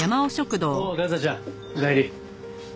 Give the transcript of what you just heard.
おう和沙ちゃんおかえり。